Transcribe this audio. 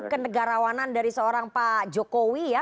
kenegarawanan dari seorang pak jokowi ya